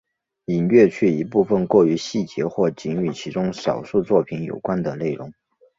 已略去一部分过于细节或仅与其中少数作品有关的内容。